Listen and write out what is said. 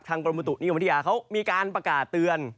กรมบุตุนิยมวิทยาเขามีการประกาศเตือน